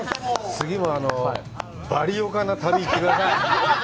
次もバリおかな旅に行ってください。